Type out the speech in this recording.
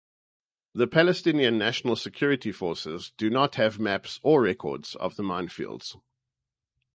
The Palestinian National Security Forces do not have maps or records of the minefields.